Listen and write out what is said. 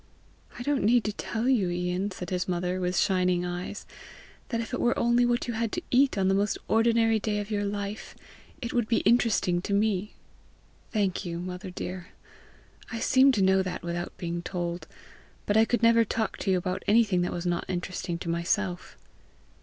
"I don't need to tell you, Ian," said his mother, with shining eyes, "that if it were only what you had to eat on the most ordinary day of your life, it would be interesting to me!" "Thank you, mother dear; I seem to know that without being told; but I could never talk to you about anything that was not interesting to myself."